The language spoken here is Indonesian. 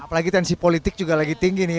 apalagi tensi politik juga lagi tinggi nih